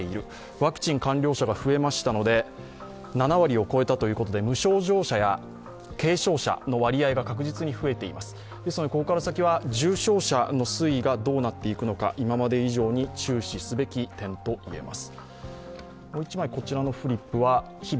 ワクチン完了者が増えましたので、７割を超えたということで無症状者や軽症者の割合が確実に増えています、ですのでここから先は重症者の推移がどうなっていくのか今まで以上に注視すべき点と言えます。